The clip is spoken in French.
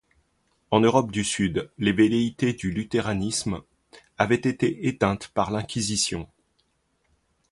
En Europe du Sud, les velléités du luthéranisme avaient été éteintes par l'Inquisition.